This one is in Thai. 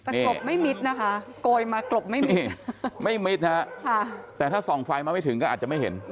แต่กลบไม่มิดนะคะโกยมากรบไม่มีไม่มิดฮะแต่ถ้าส่องไฟมาไม่ถึงก็อาจจะไม่เห็น